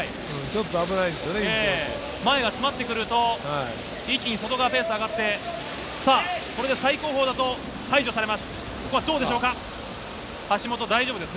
前が詰まってくると一気に外側ペースが上がって最後方だと排除されます。